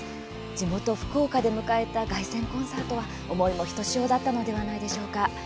地元福岡で迎えた凱旋コンサートは思いもひとしおだったのではないでしょうか。